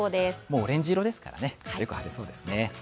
オレンジ色ですからよく晴れそうですね。